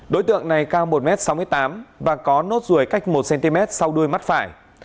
đối tượng này cao một m sáu mươi tám và có nốt ruồi cách một cm sau đuôi mắt phải